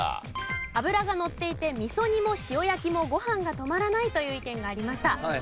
脂がのっていて味噌煮も塩焼きもご飯が止まらないという意見がありました。